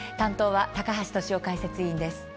高橋俊雄解説委員です。